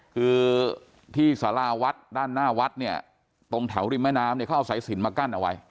คือที่สาราวัดด้านหน้าวัดเนี่ยตรงแถวริมแม่น้ำเนี่ยเขาเอาสายสินมากั้นเอาไว้